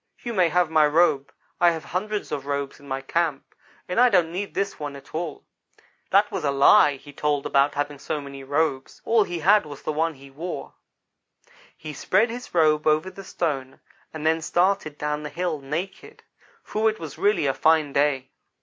You may have my robe. I have hundreds of robes in my camp, and I don't need this one at all.' That was a lie he told about having so many robes. All he had was the one he wore. "He spread his robe over the stone, and then started down the hill, naked, for it was really a fine day.